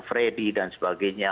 freddy dan sebagainya